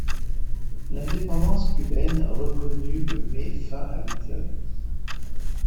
L'indépendance cubaine reconnue le met fin à l'interdit.